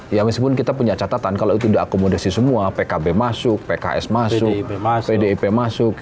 ya meskipun kita punya catatan kalau itu diakomodasi semua pkb masuk pks masuk pdip masuk